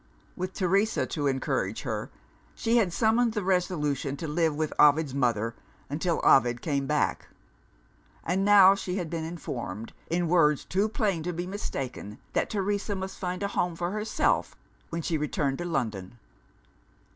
With Teresa to encourage her, she had summoned the resolution to live with Ovid's mother, until Ovid came back. And now she had been informed, in words too plain to be mistaken, that Teresa must find a home for herself when she returned to London!